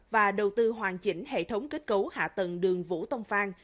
và đầu tư hoàn chỉnh hệ thống kết cấu hạ tầng đường vũ tông phan